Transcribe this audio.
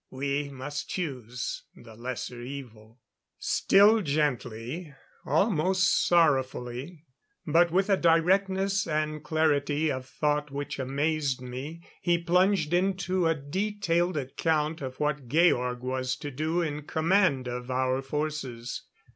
"We must choose the lesser evil." Still gently, almost sorrowfully, but with a directness and clarity of thought which amazed me, he plunged into a detailed account of what Georg was to do in command of our forces.